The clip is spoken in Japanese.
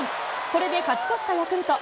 これで勝ち越したヤクルト。